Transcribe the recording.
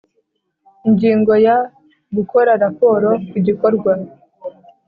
Ingingo ya gukora raporo ku gikorwa